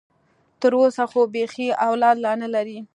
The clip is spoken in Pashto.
تر اوسه خو بيخي اولاد لا نه لري.